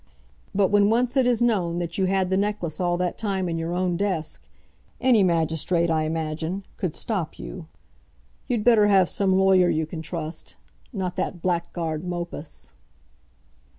But when once it is known that you had the necklace all that time in your own desk, any magistrate, I imagine, could stop you. You'd better have some lawyer you can trust; not that blackguard Mopus."